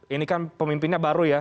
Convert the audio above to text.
ini kan pemimpinnya baru ya